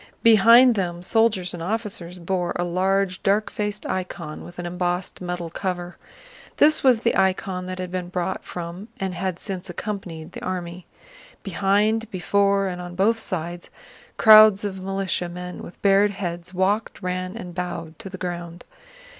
Behind them soldiers and officers bore a large, dark faced icon with an embossed metal cover. This was the icon that had been brought from Smolénsk and had since accompanied the army. Behind, before, and on both sides, crowds of militiamen with bared heads walked, ran, and bowed to the ground.